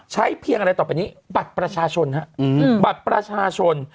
เพียงอะไรต่อไปนี้บัตรประชาชนฮะบัตรประชาชน